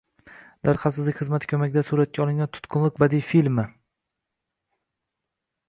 Davlat xavfsizlik xizmati ko‘magida suratga olingan “Tutqunlik” badiiy filmi